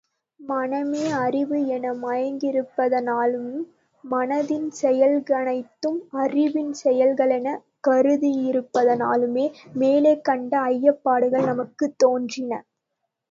மனமே அறிவு என மயங்கியிருப்பதனாலும், மனத்தின் செயல்களனைத்தும் அறிவின் செயல்களெனக் கருதியிருப்பதனாலுமே, மேலே கண்ட ஐயப்பாடுகள் நமக்குத் தோன்றின.